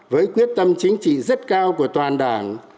với quyết tâm chính trị rất cao của toàn đảng